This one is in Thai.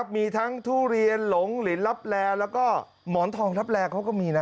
มีทั้งทุเรียนหลงลินลับแลแล้วก็หมอนทองลับแลเขาก็มีนะ